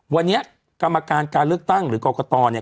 วันนี้กรรมการการเลือกตั้งหรือกรกตเนี่ย